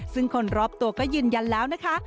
ซึ่งคนรอบตัวก็ยืนยันแล้วนะคะ